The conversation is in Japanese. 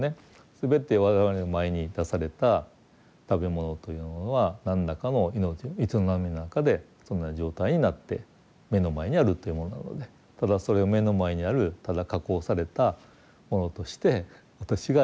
全て我々の前に出された食べ物というのは何らかの命の営みの中でそんな状態になって目の前にあるというものなのでただそれを目の前にあるただ加工されたものとして私が頂くという感覚なのか